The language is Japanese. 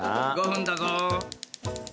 ５分だぞ。